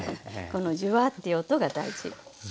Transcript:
このジュワーッていう音が大事。